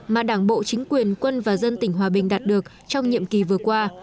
mà đảng bộ chính quyền quân và dân tỉnh hòa bình đạt được trong nhiệm kỳ vừa qua